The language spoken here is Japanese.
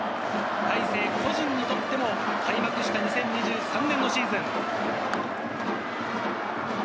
大勢、巨人にとっても２０２３年のシーズン。